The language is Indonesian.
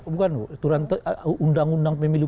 bukan undang undang pemilu